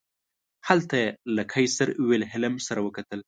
هلته یې له قیصر ویلهلم سره وکتل.